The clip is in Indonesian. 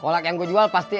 kolak yang jual pasti